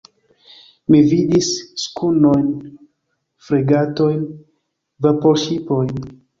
Mi vidis skunojn, fregatojn, vaporŝipojn.